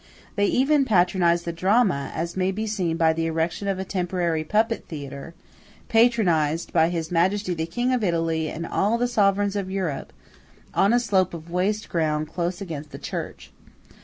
They even patronize the drama, as may be seen by the erection of a temporary puppet theatre ("patronized by His Majesty the King of Italy and all the Sovereigns of Europe") on a slope of waste ground close against the church.